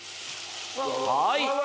はい